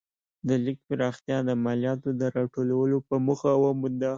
د لیک پراختیا د مالیاتو د راټولولو په موخه ومونده.